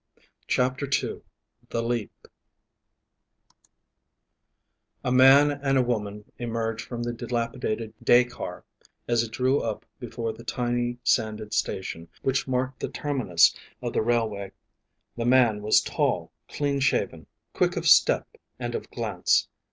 CHAPTER II THE LEAP A man and a woman emerged from the dilapidated day car as it drew up before the tiny, sanded station which marked the terminus of the railway. The man was tall, clean shaven, quick of step and of glance.